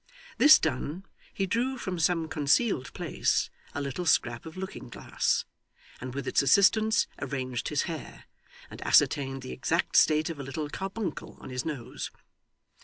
This done, he drew from some concealed place a little scrap of looking glass, and with its assistance arranged his hair, and ascertained the exact state of a little carbuncle on his nose.